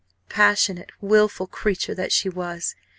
Passionate, wilful creature that she was!